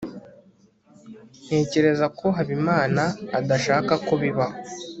ntekereza ko habimana adashaka ko bibaho